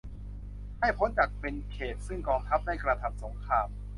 ให้พ้นจากการเป็นเขตต์ซึ่งกองทัพได้กระทำสงคราม